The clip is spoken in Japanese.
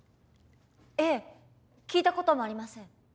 ええ聞いたこともありません。